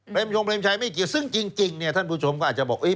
ยงเบรมชัยไม่เกี่ยวซึ่งจริงเนี่ยท่านผู้ชมก็อาจจะบอก